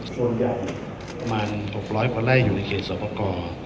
ประมาณ๖๐๐คนไล่อยู่ในเขตที่นั้น